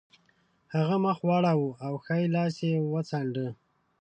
هغه مخ واړاوه او ښی لاس یې وڅانډه